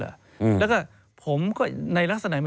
แล้วก็ผมก็ในลักษณะ